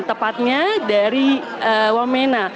tepatnya dari wamena